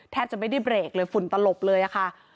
แทบจะไม่ได้เบรกเลยฝุ่นตลบเลยอะค่ะ